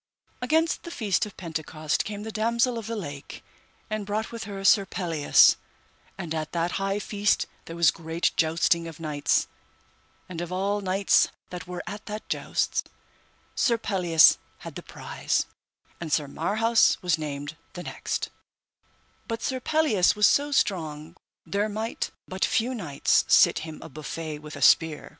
Against the feast of Pentecost came the Damosel of the Lake and brought with her Sir Pelleas; and at that high feast there was great jousting of knights, and of all knights that were at that jousts, Sir Pelleas had the prize, and Sir Marhaus was named the next; but Sir Pelleas was so strong there might but few knights sit him a buffet with a spear.